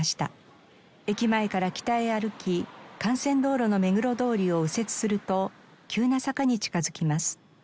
駅前から北へ歩き幹線道路の目黒通りを右折すると急な坂に近づきます。